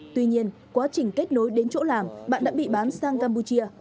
tuy nhiên quá trình kết nối đến chỗ làm bạn đã bị bán sang campuchia